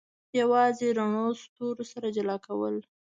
یوازې رڼو ستورو سره جلا کول.